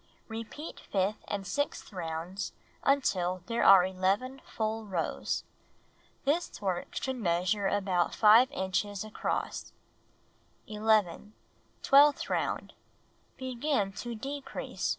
Repeat fifth and sixth rounds until there are 11 full rows. The work should measure about 5 inches across. 11. Twelfth round. Begin to "decrease."